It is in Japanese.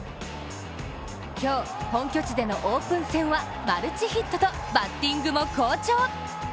今日、本拠地でのオープン戦はマルチヒットとバッティングも好調。